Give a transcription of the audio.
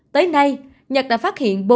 tới nay nhật đã phát hiện